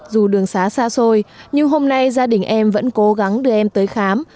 dù đường xá xa xôi nhưng hôm nay gia đình em vẫn cố gắng đưa em tới khám